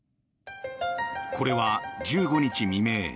これは１５日未明